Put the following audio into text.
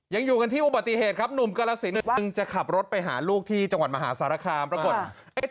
ยังอยู่กันที่อุบัติเหตุครับหนุ่มกรสินเพิ่งจะขับรถไปหาลูกที่จังหวัดมหาสารคามปรากฏ